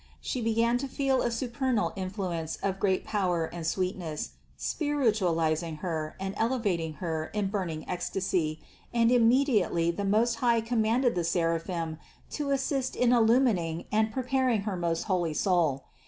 She began to feel a supernal influence of great power and sweetness, spiritualizing Her and elevating Her in burning ecstasy, and immediately the Most High commanded the seraphim to assist in illumining and pre paring her most holy soul.